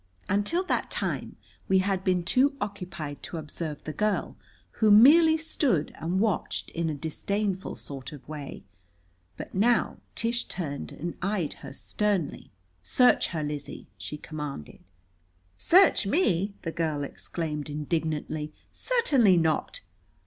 Until that time we had been too occupied to observe the girl, who merely stood and watched in a disdainful sort of way. But now Tish turned and eyed her sternly. "Search her, Lizzie," she commanded. "Search me!" the girl exclaimed indignantly. "Certainly not!"